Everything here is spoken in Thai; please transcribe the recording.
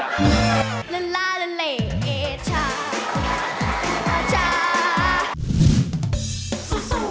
ละละละเลช่าช่า